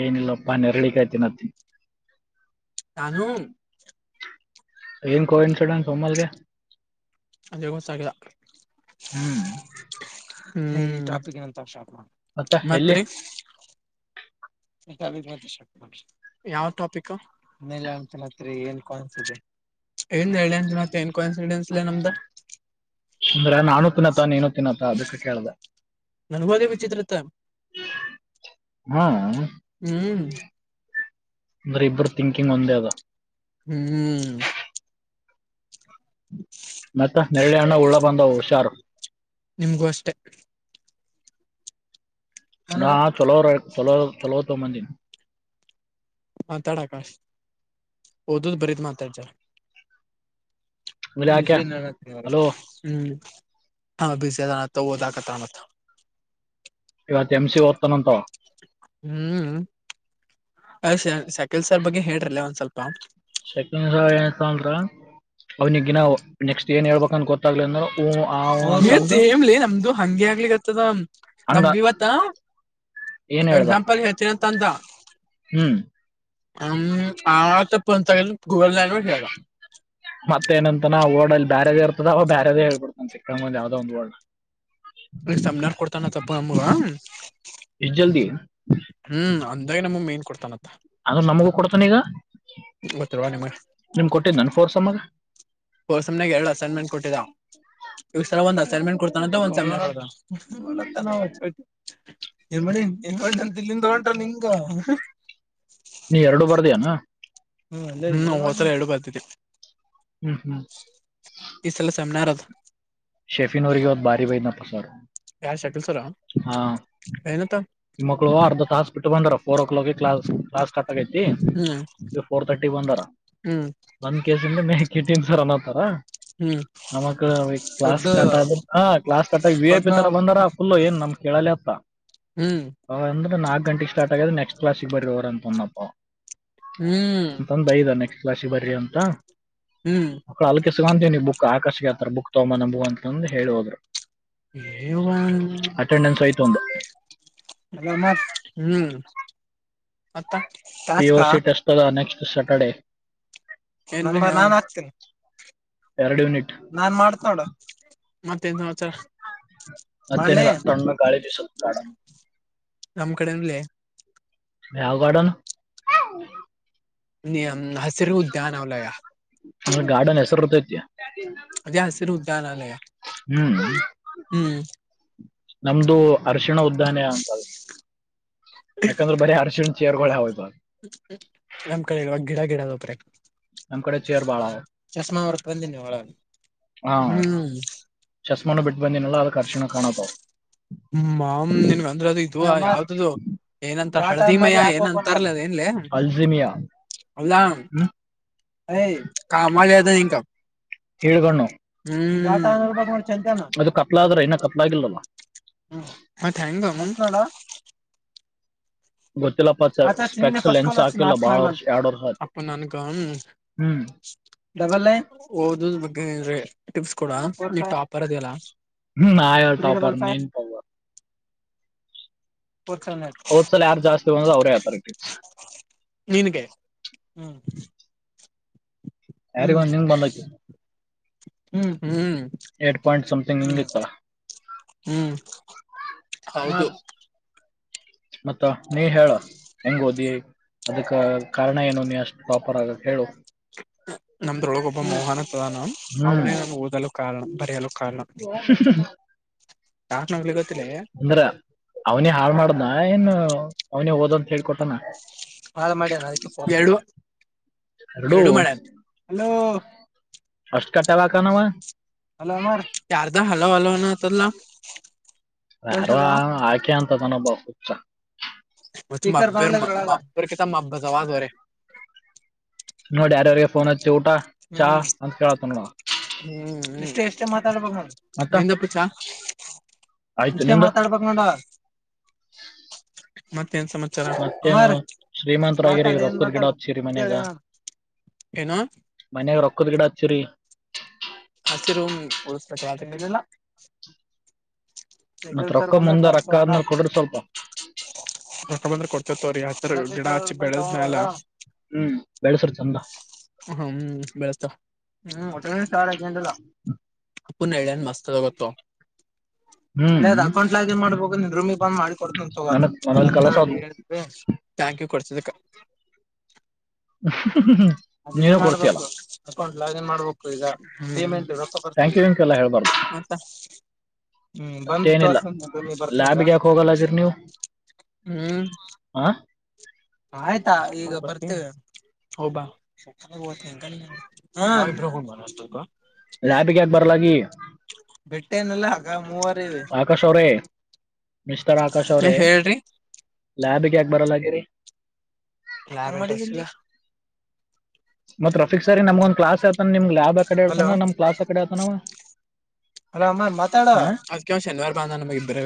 ಏನಲ್ಲ ಬಾನರಳಿಕೈ್ತಿ ನತ್ತ ಕಾನು ಏನ್ ಕೋನ್ಸಿಡೆಂಸ್ ಒಮ್ಮಲ್ಗೆ ಅದಗತಕಿದ ಹ್ಮ್ ಮತ್ರಿ ಎ ಬತ ಶಕ್ತ ಯಾವ್ ಟಾಪಿಕ್ೇಲೆ ಅತನತ್ರಿ ಏನ್ ಕೋನ್ಸುದ ಏನ್ ಹೇಳಿ ಅಂತ ಮತ್ತ ಏನ್ ಕಾನ್ಸಿಡೆನ್ಸ್ ಇಲ್ಲ ನಮ್ದ ಅಂದ್ರ ನಾನು ತಿನ್ನತ್ತ ನೀನು ತಿನ್ನತ್ತ ಅದಕ್ಕೆ ಕೇಳ್ದ ನನ್ ಹೋದೇ ವಿಚಿತ್ರತ ಹ್ಮ ಅಂದ್ರೆ ಇಬ್ರು ಥಿಂಕಿಂಗ್ ಒಂದೇ ಅದ ಹ್ಮ್ ನಿಮಗೂ ಅಷ್ಟೆ ನಾ ಚೊಲೋವರು ಚೊಲೋ ತೊಲವ ತೊಂಬಂದಿ ಹ ತಡಕಷ್ಟ ಓದುದ ಬರಿಿದ ಮಾತಜ ನ ಹ್ಮ ಹಾ ಅಭ ಜದಾನವುದಾಖತಾಮ ಹ್ಮ್ ಕಲ್ ಸಾರ್ ಬಗ್ಗೆ ಹೇಳ್ರ ಒಂದ ಸ್ವಲ್ಪಕಲ್ಾರ್ ತಲ್ರ ಅವನಿಗ್ ದಿನಾ ನೆಕ್ಸ್ಟ್ ಏನ್ ಹೇಳ್ಬಂತ ಗೊತ್ತಾಗ್ಲಿ ಅಂದ್ರ ತ ಇ ಏ ಎಸಾಂಪಲ್ ಹೇಳ್ತಂತಂದ ಹ್ಮ ಹ ಆತಪ್ಪ ಕವರ್ಲ ಮತ್ತೇನಂತನ ಓಡಲ್ಲಿ ಬ್ಯಾರದೇ ಇರ್ದವ ಬ್ಯಾರದೇ ಹೇಳ್ಬಿಡ್ತಾನನ್ ಚಕ್ಕ ಮುಂದ್ ಯಾವ್ದೋ ಒಂದ ಓಡ್ ತ ಉ ಜಲ್ದಿ್ಮ ಕೊಡ್ತಾನತ್ತ ಅ ನಮಗೂ ಕೊಡ್ತಾನ ಈಗ ಇವತ್ತು ನಿ ನಿಮ ಕೊಟ್ಟಿದ್ದ ಕೋರ್ಸಮನೆಾಗ ಎರಡು ಅಸೈನ್ಮೆಂಟ್ ಕೊಟ್ಟಿದ್ದ ಈ ಒಂದ್ ಅಸೈನ್ಮೆಂಟ್ ಕೊತ ಒಂದ ನ್ ಇಲ್ಲಿಂದೊಗೋಂಟ್ರ ನಿಂಗ ನೀ ಎರಡು ಬರ್ದಯಾನ ಹ್ಮ್ ಹ್ಮ್ ಶೇಫಿನ್ೂರರಿಗೆ ಹೊ ಬಾರಿ ಬೈದನಾ ಪಸಾರ ಹ ನಿ ಮಕ್ಳು ಅರ್ಧ ತಾಸ ಬಿಟ್ಟು ಬಂದಾರ ಫೋರ್ ಓ ಕ್ಲಾಕಗೆ ಕ್ಲಾಸ್ ಆಗೈತಿ ಫೋರ್ ತರ್ಟಿ ಬಂದಾರ ಒಂದ್ ಕೇಸಿಂದ ಮ ಕಿಟ್ಟನ್ ಸರ್ ಅನ್ನತ್ತಾರ ನಮಕ್ ಈ ಕ್ಲಾಸ್ ಕ ಆದ ಹ ಕ್ಲಾಸ್ ಕ ವಿ ಐ ಪಿ ತರ ಬಂದಾರ ಫುಲ್ಲ ಏನ್ ನಮ ಕೇಳಲತ್ತ ಅಂದ್ರೆ ನಾಕಕ್ ಗಂಟೆಗೆ ಸ್ಟಾರ್ಟ್ ಆಗ ನೆಕ್ಸ್ಟ್ ಕ್ಲಾಸ್ ಸಿಗ್ ಬಾರ್ರ ಅವರ ಹ್ಮ ಅಂತಂದ ಬೈದ ನೆಕ್ಸ್ಟ್ ಕ್ಲಾಸ್ಿಗೆ ಬರ್ರಿ ಅಂತ ಹ್ಮ್ ಮಕ್ಕಳ ಅಕ್ಕೆ ಸಿಗಂತೀವ ನೀವು ಬುಕ್ ಆಕಾಶ ಆತ ಬುಕ್ ತಗೋ ನ ಬು ಅಂತಂದು ಹೇಳಿ ಹೋದರು ಅಟೆಂಡೆನ್ಸ್ ಆಯ್ತು ಒಂದು ನಾಗ ಹ್ಮ್ ಪಿಒಸಿ ೆಸ್ಟಲ್ಲ ನೆಕ್ಸ್ಟ್ ಸ್ಯಾಟರ್ಡೆ ನಾನ್ ಹಾಕ್ತೇನಿ ನಾನ್ ಮಾಡತ ನೋಡು ಮತ್ತನ್ ಸಂಸರ ನಮ್ಮ ಕಡೆಲ್ಲ ಯಾವಗಾರ್ಡನು ನಿಿಯಮ ವವು ಧಾನ ಅ ಅಂದ್ರ ಗಾರ್ಡನ್ ಹೆಸರು ರುತೈತಿ ಜಾಸ್ತಿ ಹ್ಮ್ ನಮದು ಬ ಆ ಶರ್ಬ ಎಮ ಕ ಗಿಡಾ ಗಿಡ ದಪರೆ ಕಡೆ ಚಷಮಾ ಅವರ್ಕ್ ಬಂದನಿ ಒಳಗೆ ಹ್ಮ್ ಚಮ ಮಾಮ ನಿನ್ಗ ಅಂದ್ರ ಅದು ಇದು ಯಾವ್ದದುು ಏನಂತಾರ ಹಳದಿ ಮಯ್ಯ ಏನಂತಾರಲದ ಏನ್ಲಿ ಹೌದಾ ಹ ಕಾಮಲ್ಲಿತ ಇಂಕ ಹಳ್ಕೊಂಡು ಮಾಡಂತ ಅ ಕತ್ಲಾದ್ರೆ ಹ ಮ ್ಯಾಕ್ ಮ್ಯಾಮ್ ಡ ನೀಾ ಅ ನ್ಮ [inaudible] ಓದೋದ್ ಬಗ್ಗೆ ಟಿಪ್ಸ್ ಕೊಡ ನೀ ಟಾಪರ್ ಅದಿಯಲ್ಲಾ. ಹ್ಮ ಆಯರ್ ಟಾಪರ್ ಮೈನ್ ಪವರ್ [inaudible] ಚಲ ಯಾರ ಜಾಸ್ತಿ ಅವರ ಯತಾರೆಟಿಪ್ಸ್ ನೀನ್ಗೆ ಹ್ಮ್ ಯಾರಿಗಂದ ನಿಂಗ ಬಂದಕ ಹ್ಮ್ ಹ್ಮ್್ಮ ಎ ಪ ಹ್ಮ್ ಹೌದು ಮತ್ತ ನೀ ಹೇಳ ಹೆಂಗ ಓದಿ ಅದಕ್ಕ ಕಾರಣ ಏನು ನೀ ಅಷ್ಟು ಪ್ರಾಪರ್ ಆಗಕ ಹೇಳು. ನಮ್ದ್ರೊಳಗ ಒಬ್ಬ ಮೋಹನ ಅಂತ ಅದಾನ ಅವನೇ ನನ್ಗೆ ಓದಲು ಕಾರಣ ಬರೆಯಲು ಕಾರಣ. [unintelligible] [inaudible] ಅಂದ್ರ ಅವ್ನಿ ಹಾಳ ಮಾಡುದ್ನ. ಅವನ ಓದೋಕೆ ಹೇಳಿಕೊಟ್ಟನ್. ಹಲೋ. ಅಷ್ಟ ಕಟ್ಟಕಾನವ ಯಾರದ ಹಲೋ ಹಲೋ ಅನ್ನತರ. ಯಾರ ಆಕೆ ಅಂತ ಅದಾನೊಬ್ಬ ಹುಚ್ಚಾ. ಮಬ್ಬ ಮಬ್ಬರಿಕಿತ ಮಬ್ಬದವಾ ಅವರೇ. ಹ್ಮ ಇಷ್ಟ ಎಷ್ಟೇ ಮಾತಾಡ್ಬ. ಇಂದಪ್ಪು ಚ ಇಷ್ಟೇ ಮಾತಾಡ್ಬೇಕ ನೋಡ. [inaudible] ಮತ್ತ ಶ್ರೀಮಂತರಾಗಿರಿ ರೊಕ್ಕದ ಗಿಡ ಹಚ್ಚಿರಿ ಮನ್ಯಾಗ. ಏನು ಮನ್ಯಾಗ ರೊಕ್ಕದ ಗಿಡ ಹಚ್ಚಿರಿ. ಮತ್ತ ರೂಲ್ಲ [inaudible] ಮತ್ತ ರೊಕ್ಕ ಮಂದ ರೊಕ್ಕ ಆದ್ಮೇಲೆ ಕೊಡ್ರ ಸ್ವಲ್ಪ. ರೊಕ್ಕ ಬಂದ್ರ ಕೊಡ್ತೀವಿ ತೊಗರಿ ಹತ್ರ ಗಿಡ ಹಚ್ಚಿ ಬೆಳೆದ ಮ್ಯಾಲ. ಹ್ಮ ಬೆಳಸ್ತೆವ್ [inaudible] ಪುಣ ಹೇಳ್ಯನ್ ಮಸ್ತಾಗತ್ತ. ನ ಅದ್ ಅಕೌಂಟ್ ಏನ್ ಮಾಡಿಕೊಡಬೇಕು ನೀನ ರೂಮಿ ಬಂದ್ ಮಾಡಿ ಕೊಡ್ತನ ತಗೋ. Thank you ಕೊಡಿಸಿದ್ಕ. ಅ ನೀ ಮಾಡ್ಬೇಕು ಅಕೌಂಟ್ ಲಾಗಿನ್ ಮಾಡ್ಬೇಕು ಈಗ ಪೇಮೆಂಟ್ ರೊಕ್ಕ ಬರ್ತ. ಮತ್ತ. ಹ್ಮ್ ಬಂದ ತೋರಿಸ್ತೀನಿ ರೂಮ್ ಗ ಬರ್ತ. ಹ್ಮ್ ಆಯ್ತಾ ಈಗ ಬರ್ತೀವಿ. ಹೋಗಿ ಬಾ. ನಾವ ಇಬ್ಬರ ಹೋಗ ಬರ ಅಷ್ಟಕ. ಲ್ಯಾಬ್ಗಿಗೆ ಯಾಕ ಬರ್ಲಾಗಿ. ಟನ್ ಎಲ್ಲ ಹ ಮೂವರಿ ಆಕಾಶ ಅವರೆ. ಮಿಸ್ಟರ್ ಆಕಾಶ್ ಅವ್ರೇ ಲ್ಯಾಬಿಗೆ ಯಾಕ ಬರಲಾಗೇರಿ. ಯಾನ್ ಮಾಡೀ. ಮತ್ ರಫೀಕ್ ಸರಿ ನಮ್ಗ ಒಂದ ಕ್ಲಾಸ್ ಆತ ನಿಮ್ಗ್ ಲ್ಯಾಬ್ ಆ ಕಡೆ. ಹಲೋ. ಅಲ ಅಮ್ಮ ಮಾತಾಡ ಅಕ್ಯಾ ಶನಿವಾರ ಬಂದ ನಮಗ ಇಬ್ಬರ.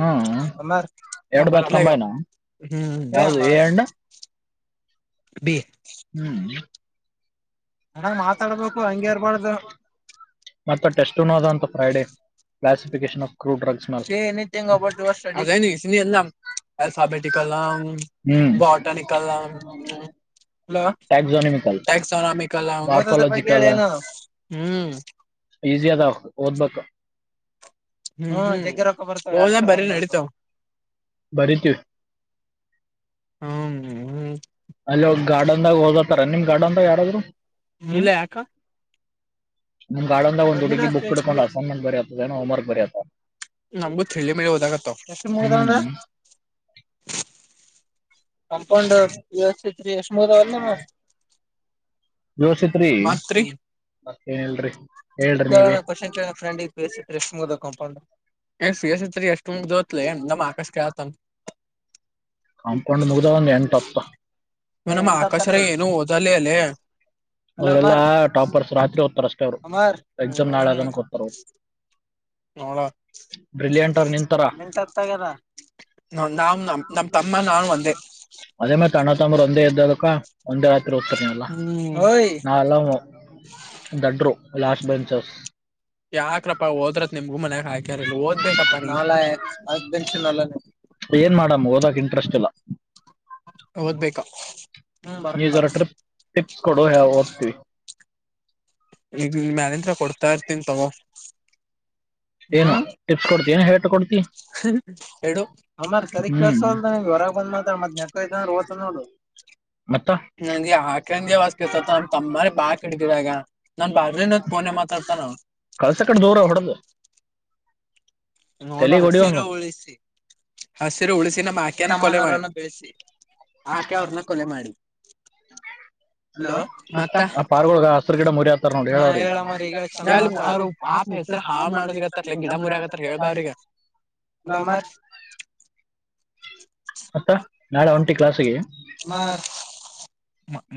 ಹ್ಮ ಅ ಬ [inaudible] ಡಿ. ಎನ್ ಮಾತಾಡ್ಬೇಕು ಹಂಗಗೆ ಇರ್ಬಾರ್ದು ಮತ್ತೆ ಟೆಸ್ಟ್ನ ಅದಂತ ಫ್ರೈಡೆ. ಕ್ಲಾಸಿಫಿಕೇಶನ್ ಆ ಕ್ರೂಡ್ ಡ್ರಗ್. ಹ್ಮ ಬಾಟಾನಿಕಲ್ ಅವನು. ಟಕ್ಸನಮಲ್ ಟನ ಬೊಟೊಲಾಗಿಕಲ್. ಐಸಿಯದ ಓದ ಬಕ್ಕ ಹ ನಿರ ಹ ಬ ಬರಿತಿವ. ಹ್ಮ. ಅಲ್ಲಿ ಗಾರ್ಡನ್ದಾಗ ಓದತಾರ ನಿಮ್ ಗಾರ್ಡನ್ದಾಗ ಯಾರಾದ್ರೂ. ಇಲ್ಲ ಯಾಕ. ನಿಮ್ ಗಾರ್ಡನದಾಗ್ ಒಂದ ಹುಡುಗಿ ಬುಕ್ ಇಡ್ಕೊಂಡು ಅಸೈನ್ಮೆಂಟ್ ಬರ್ಯತಾಳ ಏನ್ ಹೋಮ್ ವರ್ಕ್ ಬರ್ಯಾತಲ್. ನಮಗೂ ಛೆಳ್ಳಿ ಮೈಯ ಒದಕತ್ತವ. ಕಂಪೌಂಡ. ಜೋಶಿತ್ರಿ. ಮತ್ತೇಏನ್ ಹೇಳಿ ಹೇಳ್ರಿ [inaudible] ೊಂಡ್ ಮುಗ ಒಂದು ಎಂಟಪ್ಪ ಅವಲ್ಲಾ ಟಾಪರ್ಸ್ ರಾತ್ರಿ ಓದ್ತಾರ ಅಷ್ಟೇ ಅವ್ರು ಎಕ್ಸಾಮ್ ನಾಳೆ ಅದನಓದ್ತಾರ ಅವ್ರು ನೋ ಎಂಟ ಹತಗ್ಯಾರ ನ ನಾವ್ ನ ನಮ ತಮ್ಮ ನಾನು ಒಂದೇ ಅದೇ ಮೇ ತಣ್ಣ ತಂಬ್ರ ಒಂದೇ ಎದ್ದದಕ ಒಂದೇ ರಾತ್ರಿ ಓೋಗ್ತಾರನಲ್ಲ ನಾ ಎಲ್ಲ ದಡರು ಲಾಸ್ಟ್ ಬನ್ಚರ್ಸ್ ಯಾಕ್ರಪ್ಪ ಹೋದ್ರ ನಿಮ್ಗೂ ಮನ್ಯಾಗ ಹಾಕ್ಯಾರಿಲ್ಲ ಓದ್ಬೇಕಪ್ಪನ್ನ್ ಏನ್ ಮಾಡಮ್ ಓದಕ್ ಇಂಟ್ರೆಸ್ಟ್ ಇಲ್ಲ ಹಓದ್ಬೇಕಾ ನೀ ಜರ ಟ್ರಿಪ್ ಟ್ರಿಪ್ ಕೊಡೋ ಅವತವಿ ಈಗ ನಿಮ ಮನತ್ರ ಕೊಡ್ತಾ ಇರ್ತೀನ್ಿ ತಗೋ ಹ್ಮ್ ಎಡು ಅಮ್ರ ಸರಿ ಕೆಸಗೆ ಹೊರಬ ೋನ್ ಮಾತಾ ಮತ್ತ್ ನೆಟಯಂದ್ರೆ ಓಸ ನೋಡುರು ನನ್ಗೆ ಆಕ್ರಂದಿ ವಸ್ಕ ತಮ್ಮನ ಬಾ ಕಡಿದಿರ ಆಗ ನಾನ್ ಬ್ರ ಪೋ ಮಾತಾಡ್ತಾನ ನಾವು ಕಳ್ಸಕ್ಕಡೆ ದೂರ ಹೊಡದು ನ ಹಿರ ಉಳಿಸಿ ಹಸಿರು ಉಳಸ ನಮ್ಮ ಆಕ್ಯನ ಕೊಲೆ ಮಾಡ ಆಕೆ ಅವ್ರನ್ನ ಕೊಲೆ ಮಾಡಿ ಹಲೋ ಮತ್ತ ಹ ಹೇಳ ಮರಿ ಹಾಳ ಮಾಡೋದತ್ತ ಗಿಡ ಮುರಿ ಆಗತ್ತಾರ ಕಬ ಅವ್ರಗ ಮತ್ತ ನಾಳೆ ಒಂಟಿ ಕ್ಲಾಸ್ಿಗೆ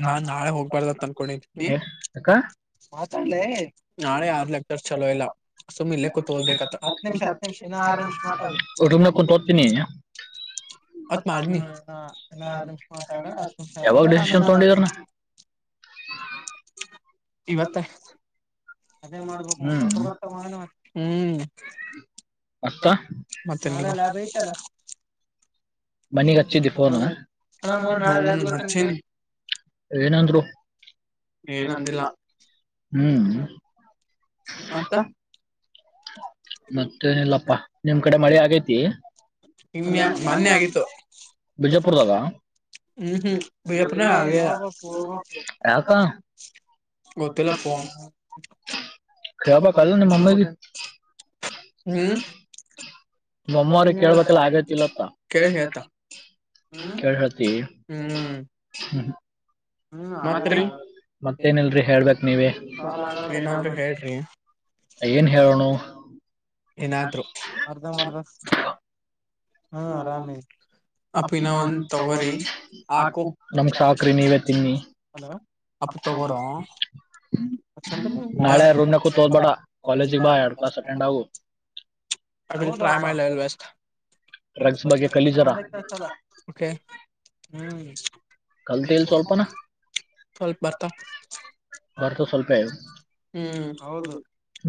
ನ ಮಾತಾಡ್ಲ ನಾಳೆ ಆರ್ ಲೆಕ್ಕರ್ ಚಲೋ ಇಲ್ಲ ಸುಮ್ಮಿಿಲ್ಲಲೆ ಕೂತ್ೋೋಗ್ಬೇಕತ್ ಹತ್ತು ನಿಮಿಷ ಹ ನಿಮಿಷ ಇಏ ಆರು ನಿಮಿಷ ಮಾ ಸು ಕೂೋ್ತೀನಿ ಹತ್ ಮಾಡನಿ ಹಾ ನ ಆರು ನಿಮಿಷ ಮಾತಾಡ ನಿಮಿ ಹ ಇವತ್ತ ಅದೇ ಮಾಡ್ಬೇಕ ಹ್ಮ್ ಆತ ಮನಿಗ್ ಹಚ್ಚಿದ್ದಿ ಫೋನು ಏನಂದ್ರು ಏನಂದಿಲ್ಲ ಹ್ಮ್ ಮಂತ ಮತ್ತ ಏನಿಲ್ಲಪ್ಪಾ ನಿಮ್ ಕಡೆ ಮಳಿ ಆಗೈತಿ ನಿ ಮೊನ್ನೆ ಆಗಿತ್ತು ಹ್ಮ್ ಹ್ಮ್ ಅ ಗೊತ್ತಲ್ಲ ಪ ಹ್ಮ್ ನಿಮ್ಮ ಅಮ್ಮಅವ್ರಿಗೆ ಕೇಳ್ಬೇಕೆಲ್ಲ ಆಗೇತೆ ಇಲ್ಲ ಅಂತ ಕೆತಿ್ಮ ಮತ್ರಿ ಮತ್ತೇನಿಲ್ರಿ ಹೇಳ್ಬಕ್ ನೀವ ಏನ್ ಹೇಳೋಣ ಏನಾದ್ರು ಅರ್ದ ಮರ್ದ ಹಾ ಆರಾಮೇ ಅಿನ ಒಂದು ತಗೋರಿಿ ಆಕು ನಮಗ್ ಸಾಕ್ರಿ ನೀವೆ ತಿ ಅಬ ನಾಳೆ ಕೂತು ಹೋಗಬೇಡ ಕಾಲೇಜಿಗೆ ಬಾ ಎರಡು ಕ್ಲಾಸ್ ಅಟೆಂಡ್ ಆಗು ಅ ಬರ್ತೀನಿಪ್ಪಾ ಇಲ್ಲಿ ವೇಸ್ಟ್ [unintelligible] ಕಲ್ತಿಲ್ಲ ಸ್ವಲ್ಪ ಸ್ವಲ್ಪ ಬರ್ತಾವು ಬರ್ತವು ಸ್ವಲ್ಪ ಹ್ಮ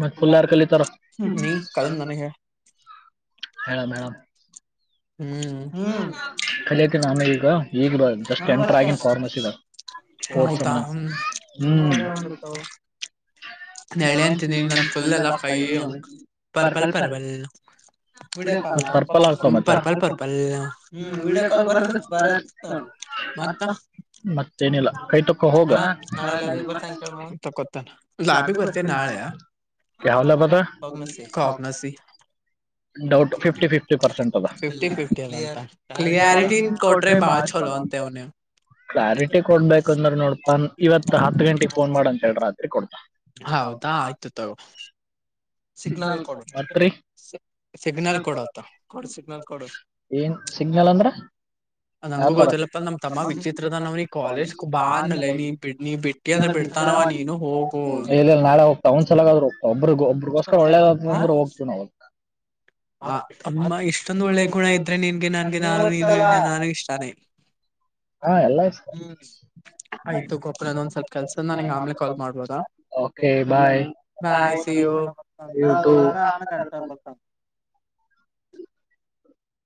ಮತ್ತ ಫುಲ್ ಯಾರ್ ಕಲಿತರ್ ಹೇಳಮ್ ಹೇಳಮ್ಮ ಕಲಿಯತನ ನಾನ ಈಗ ಈಗ ಜಸ್ಟ್ ಎಂಟ್ರ ಆಗನ್ ಫಾರ್ಮಸಿದ ಫೋತ್ ಸೇಮ್ ಹ ಹ್ಮ್ಮ್ ನಾನು ಹೇಳ್ತಿನಿ ಫುಲ್ ಆದ ಎಲ್ಲ ಕೈ ಬರ್ಕಲ್ಪರ್ ಪಿಡಿಎಫ್ ಆ ಪರ್ಪಲ್ ಹಾಕ ಮಚ್ಚ ಅಪ ಹ್ಮ ವಿಡಿಯೋ ಕಾಲ್ ಬರತಾವ್ ಬರ್ತಾವ ಮತ್ತೇನಿಲ್ಲ ಕೈ ತಕ್ಕೋ ಹೋಗ ಅಣ್ಣ ನಿಮ್ಮ ಹ್ಯಾಪಿ ಬರ್ತ್ಡೇನಾ [unintelligible] ಯಾವ ಲ್ಯಾಬ್ ಆದ doubt fifty fifty percent fifty fifty ಕ್ಲಿಯಾರಿಟಿನ್ ಕೊಟ್ರೆ ಬಾಳ ಚಲೋ ಅಂತ ಅವನ ಕ್ಲಾರಿಟಿ ಕೊಡ್ಬೇಕಂದ್ರೆ ನೋಡ್ಪಾ ಇವತ್ ಹತ್ತು ಗಂಟೆಗೆ ಫೋನ್ ಮಾಡಂತ ಹೇಳಿ ರಾತ್ರಿ ಕೊಡ್ಪಾ ಹೌದಾ ಆಯ್ತು ತಗೋ ಸಿಗ್ನಲ್ ಕೊಡ ಸಿಗ್ನಲ್ ಕೊಡತ್ತ ಕೊಡ್ ಸಿಗ್ ಏನ್ ಸಿಗ್ನಲ್ ಅಂದ್ರೆ ನಂಗು ಗೊತ್ತಿಲ್ಲಪ್ಪ ನಮ್ಮ ತಮ್ಮ ವಿಚಿತ್ರದ ನಾವ್ ನೀ ಕಾಲೇಜ್ ಬಾ ಅಲ್ಲೇ ನೀ ನೀ ಬಿಟ್ಟಿ ಅಂದ್ರೆ ಬಿಡ್ ಹೇ ಇಲ್ಲ ಇಲ್ಲ ನಾಳೆ ಹೋಗ್ತಾವ ಒಂದ್ಸಲಗಾದ್ರ್ ಹೋಗ್ತಾವ ಒಬ್ಬ ಒಬ್ಬ್ರಗೋಸ್ಕರ ಒಳ್ಳೇದ್ತಂದ್ರ ಹೋಗ್ತೀವಿ ನಾ ಹ ಅಮ್ಮ ಇಷ್ಟೊಂದು ಒಳ್ಳೆ ಗುಣ ಇದ್ರೆ ನಿನ್ಗೆ ನನ್ಗೆ ನಾನು ನಾನಗೆ ಇಷ್ಟಾನೇ [inaudible] ಹಾ ಎಲ್ಲ ಇಷ್ಟ ಆಯ್ತು ಒಂದ್ ಸ್ವಲ್ಪ ಕೆಲ್ಸ ನಂಗ ಆಮ್ಲೆ ಕಾಲ್ ಮಾಡ್ಬೋದ ಓಕೆ ಬೈ ಸಿಯು